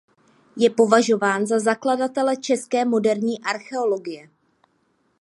Je považován za zakladatele české moderní archeologie.